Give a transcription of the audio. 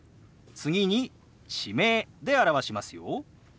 次に地名で表しますよ。